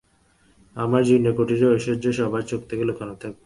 আমার জীর্ণ কুটিরের ঐশ্বর্য সবার চোখ থেকে লুকানো থাকবে।